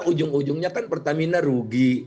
ujung ujungnya kan pertamina rugi